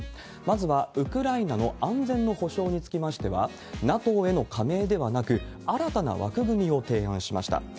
まずは、ウクライナの安全の保証につきましては、ＮＡＴＯへの加盟ではなく、新たな枠組みを提案しました。